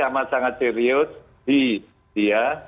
yang sama sangat serius di india